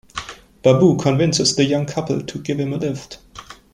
Babu convinces the young couple to give him a lift.